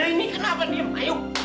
ini kenapa diem ayo